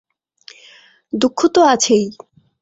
দুঃখ তো আছেই।